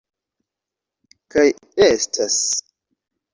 Kaj estas